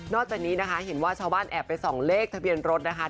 จากนี้นะคะเห็นว่าชาวบ้านแอบไปส่องเลขทะเบียนรถนะคะ